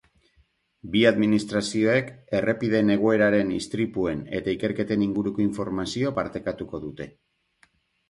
Bi administrazioek errepideen egoeraren, istripuen eta ikerketen inguruko informazioa partekatuko dute.